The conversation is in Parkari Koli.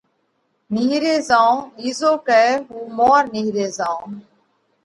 نيهري زائون ٻِيزو ڪئہ هُون مور نيهري زائون۔